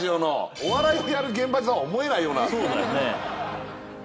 お笑いをやる現場とは思えないような。